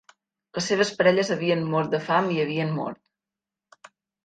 Les seves parelles havien mort de fam i havien mort.